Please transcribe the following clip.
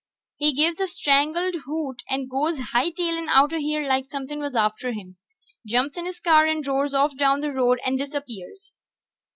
He gives a strangled hoot and goes hightailin' outta here like somepin' was after him. Jumps in his car and roars off down the road and disappears.